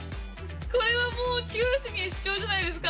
これはもう、九死に一生じゃないですか！